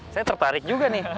saya tertarik juga nih